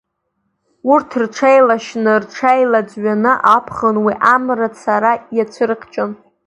Урҭ рҽеилашьны, рҽеилаӡҩаны аԥхын уи амра цара иацәырхьчон.